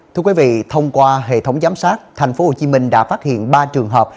thưa quý vị thông qua hệ thống giám sát thành phố hồ chí minh đã phát hiện ba trường hợp